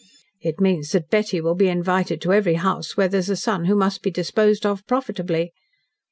"It means that Betty will be invited to every house where there is a son who must be disposed of profitably.